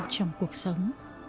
trong cuộc sống